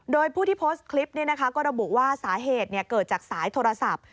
โดยผู้ที่โพสต์คลิปก็ระบุว่าสาเหตุเกิดจากสายโทรศัพท์